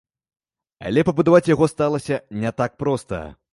Але пабудаваць яго сталася не так проста.